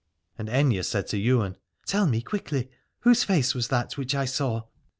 And Aithne said to Ywain : Tell me quickly, whose face was that which I saw.